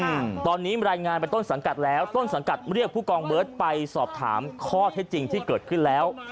อืมตอนนี้รายงานไปต้นสังกัดแล้วต้นสังกัดเรียกผู้กองเบิร์ตไปสอบถามข้อเท็จจริงที่เกิดขึ้นแล้ว